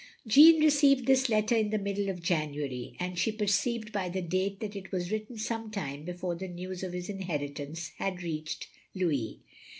.•." Jeanne received this letter in the middle of January, and she perceived by the date that it was written some time before the news of his inheritance had reached Louis.